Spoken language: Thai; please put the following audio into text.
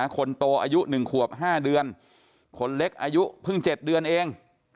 คนโตอายุ๑ขวบ๕เดือนคนเล็กอายุเพิ่ง๗เดือนเอง